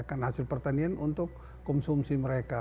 karena hasil pertanian untuk konsumsi mereka